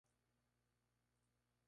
A continuación, de pensiones.